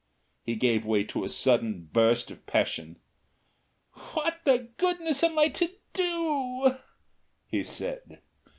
He gave way to a sudden burst of passion. "What the goodness am I to DO?" he said.